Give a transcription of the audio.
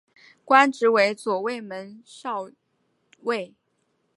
官职为左卫门少尉。